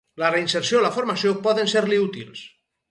La reinserció o la formació poden ser-li útils.